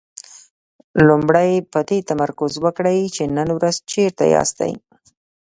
لومړی په دې تمرکز وکړئ چې نن ورځ چېرته ياستئ.